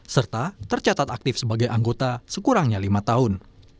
serta tercatat aktif sebagai anggota sekurangnya lima tahun